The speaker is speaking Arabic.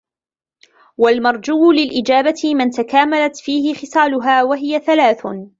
وَالْمَرْجُوُّ لِلْإِجَابَةِ مَنْ تَكَامَلَتْ فِيهِ خِصَالُهَا وَهِيَ ثَلَاثٌ